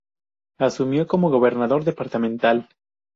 Asumió como gobernador departamental.